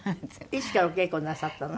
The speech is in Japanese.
いつからお稽古なさったの？